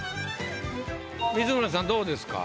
光宗さんどうですか？